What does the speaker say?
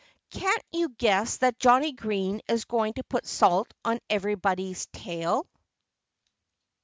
"Can't you guess that Johnnie Green is going to put salt on everybody's tail?"